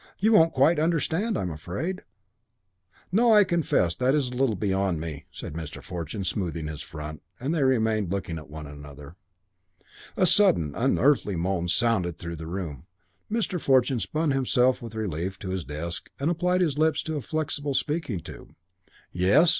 You won't quite understand, I'm afraid " "No, I confess that is a little beyond me," said Mr. Fortune, smoothing his front; and they remained looking at one another. A sudden and unearthly moan sounded through the room. Mr. Fortune spun himself with relief to his desk and applied his lips to a flexible speaking tube. "Yes?"